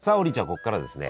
ここからはですね